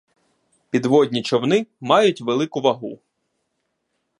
Підводні човни мають велику вагу.